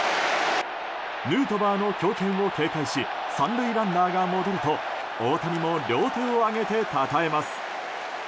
ヌートバーの強肩を警戒し３塁ランナーが戻ると大谷も両手を挙げてたたえます。